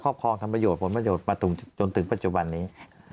ครองทำประโยชนผลประโยชน์มาจนถึงปัจจุบันนี้